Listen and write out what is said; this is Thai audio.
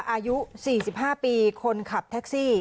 อายุ๔๕ปีคนขับแท็กซี่